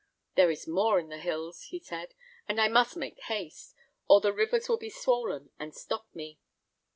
"There is more in the hills," he said, "and I must make haste, or the rivers will be swollen and stop me.